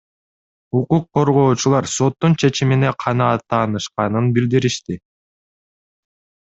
Укук коргоочулар соттун чечимине канааттанышканын билдиришти.